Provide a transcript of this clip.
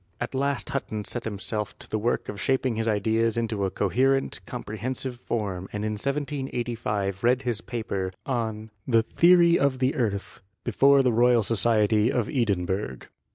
At last Hutton set himself to the work of shaping his ideas into a co herent, comprehensive form and in 1785 read his paper on the "Theory of the Earth" before the Royal Society of Edinburgh.